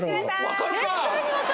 わかるか！